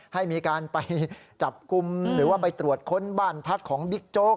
ให้มีการไปจับกลุ่มหรือว่าไปตรวจค้นบ้านพักของบิ๊กโจ๊ก